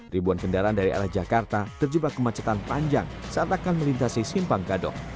ribuan kendaraan dari arah jakarta terjebak kemacetan panjang saat akan melintasi simpang gadok